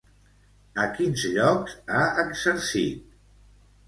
A quins llocs ha exercit?